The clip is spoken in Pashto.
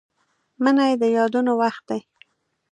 منی د یادونو وخت دی